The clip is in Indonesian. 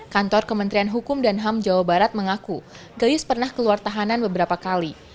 kantor kementerian hukum dan ham jawa barat mengaku gayus pernah keluar tahanan beberapa kali